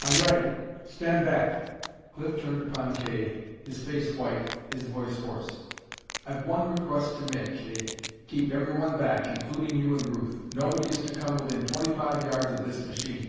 "I'm ready! Stand back!" Cliff turned upon Kay, his face white, his voice hoarse. "I've one request to make, Kay. Keep everybody back, including you and Ruth. Nobody is to come within twenty five yards of this machine!"